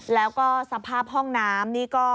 แล้วก็สภาพห้องน้ำนี่ก็